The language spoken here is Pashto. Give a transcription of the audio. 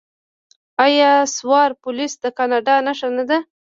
آیا سوار پولیس د کاناډا نښه نه ده؟